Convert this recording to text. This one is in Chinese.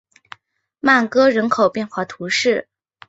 曼戈人口变化图示